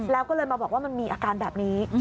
แล้วก็เลยมาบอกว่ามันมีอาการแบบนี้